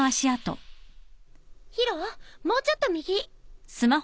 宙もうちょっと右。